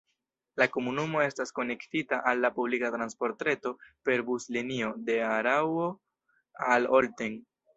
La komunumo estas konektita al la publika transportreto per buslinio de Araŭo al Olten.